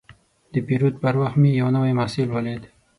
د پیرود پر وخت مې یو نوی محصول ولید.